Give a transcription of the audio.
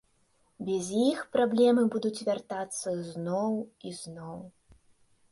Без іх праблемы будуць вяртацца зноў і зноў.